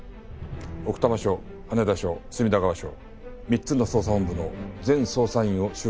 奥多摩署羽田署隅田川署３つの捜査本部の全捜査員を集合させてくれ。